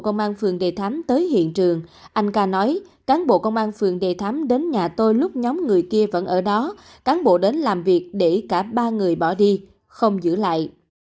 công an phường đề thám tới hiện trường anh ca nói cán bộ công an phường đề thắm đến nhà tôi lúc nhóm người kia vẫn ở đó cán bộ đến làm việc để cả ba người bỏ đi không giữ lại